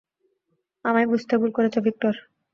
আমায় বুঝতে ভুল করেছো, ভিক্টর।